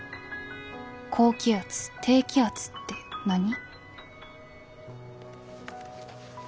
高気圧・低気圧ってなに？」